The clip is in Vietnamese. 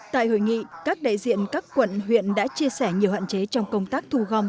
tại hội nghị các đại diện các quận huyện đã chia sẻ nhiều hạn chế trong công tác thu gom